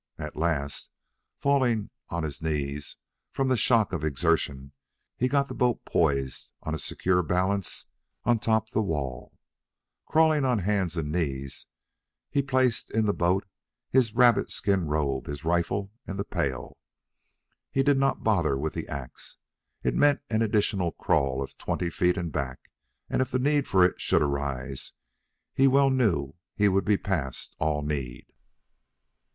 At last, falling on his knees from the shock of exertion, he got the boat poised on a secure balance on top the wall. Crawling on hands and knees, he placed in the boat his rabbit skin robe, the rifle, and the pail. He did not bother with the ax. It meant an additional crawl of twenty feet and back, and if the need for it should arise he well knew he would be past all need.